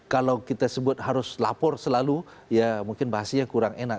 kalau kita sebut harus lapor selalu ya mungkin bahasanya kurang enak